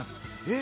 え！